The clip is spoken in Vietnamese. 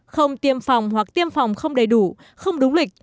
không tiêm phòng hoặc tiêm phòng không đầy đủ không đúng lịch